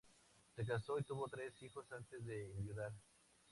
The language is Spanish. Se casó y tuvo tres hijos antes de enviudar.